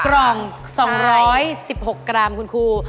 กล่อง๒๑๖กรัมคุณครู